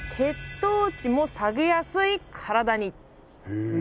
へえ。